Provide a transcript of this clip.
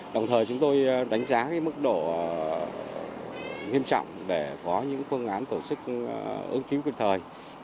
đồng thời chúng tôi đánh giá mức độ nghiêm trọng để có những phương án tổ chức ứng kiếm quyền thời